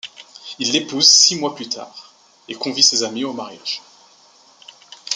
Il l'épouse six mois plus tard, et convie ses amis au mariage.